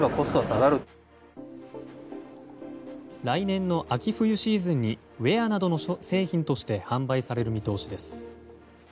来年の秋冬シーズンにウェアなどの商品として販売される見通しです。